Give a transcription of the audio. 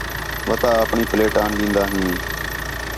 وتا آپݨی پلیٹ آن دیندا ہیں